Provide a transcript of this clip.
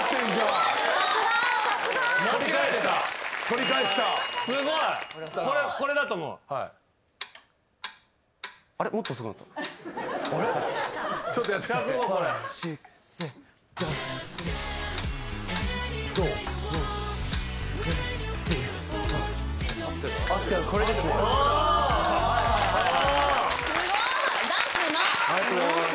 ありがとうございます。